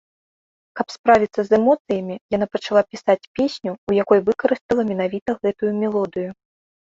Каб справіцца з эмоцыямі, яна пачала пісаць песню, у якой выкарыстала менавіта гэтую мелодыю.